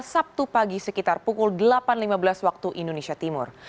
sabtu pagi sekitar pukul delapan lima belas waktu indonesia timur